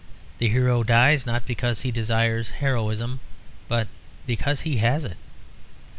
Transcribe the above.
The hero dies, not because he desires heroism, but because he has it.